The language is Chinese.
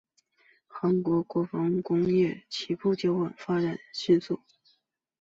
韩国国防工业起步较晚但发展迅猛。